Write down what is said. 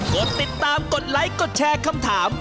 กดติดตามกดไลค์กดแชร์คำถาม